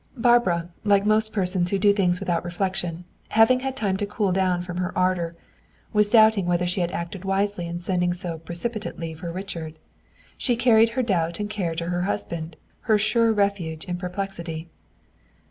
Barbara, like most persons who do things without reflection, having had time to cool down from her ardor, was doubting whether she had acted wisely in sending so precipitately for Richard. She carried her doubt and care to her husband, her sure refuge in perplexity.